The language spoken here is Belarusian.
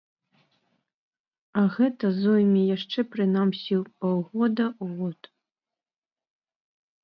А гэта зойме яшчэ прынамсі паўгода-год.